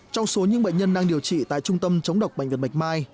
trong số những bệnh nhân đang điều trị tại trung tâm chống độc bệnh viện bạch mai